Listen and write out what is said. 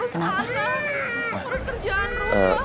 ngurus kerjaan rumah